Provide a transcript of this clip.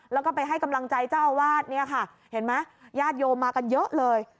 แล้วก็ไปให้กำลังใจเจ้าอาวาสเนี่ยค่ะเห็นไหมญาติโยมมากันเยอะเลย